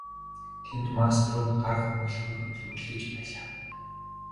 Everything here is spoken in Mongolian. Тэнд мастерууд гар хумхилгүй хөдөлмөрлөж байлаа.